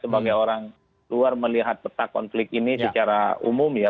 sebagai orang luar melihat peta konflik ini secara umum ya